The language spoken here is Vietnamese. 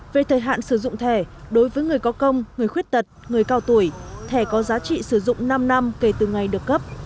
về thời hạn sử dụng thẻ đối với người có công người khuyết tật người cao tuổi thẻ có giá trị sử dụng năm năm kể từ ngày được cấp